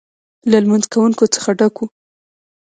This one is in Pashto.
له لمونځ کوونکو څخه ډک و.